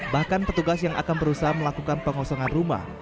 bahkan petugas yang akan berusaha melakukan pengosongan rumah